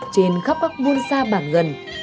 trên khắp bắc muôn sa bảng gần